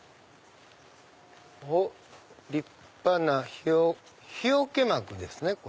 おっ立派な日よけ幕ですね。